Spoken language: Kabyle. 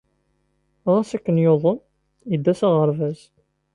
Ɣas akken yuḍen, yedda s aɣerbaz.